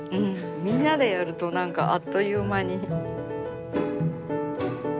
みんなでやると何かあっという間に。